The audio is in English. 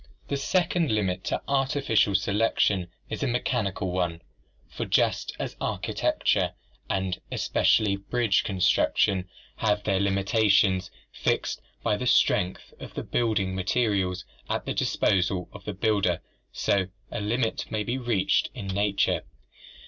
— The second limit to artificial selection is a mechanical one, for just as architecture and especially bridge con struction have their limitations fixed by the strength of the build ing materials at the disposal of the builder, so a limit may be reached in nature.